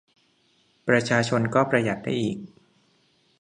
ประชาชนก็ประหยัดได้อีก